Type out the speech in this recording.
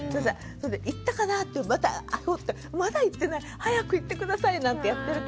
「行ったかな？」ってまた掘って「まだ行ってない早く行って下さい」なんてやってるけれど。